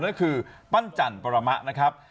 นั่นคือปั้นจันปรมะนะครับ